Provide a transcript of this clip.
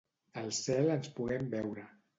Al cel ens puguem veure.